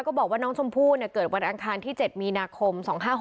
บอกว่าน้องชมพู่เกิดวันอังคารที่๗มีนาคม๒๕๖๖